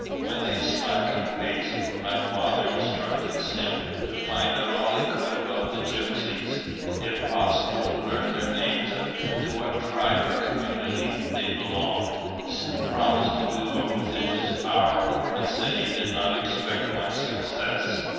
When they slackened pace, my father instructed Sim to find out all he could about the gypsies, if possible to learn their names and to what tribe or community they belonged. Sim promised to do what was in his power, but said he did not expect much success.